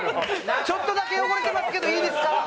ちょっとだけ汚れてますけどいいですか？